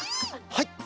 はい！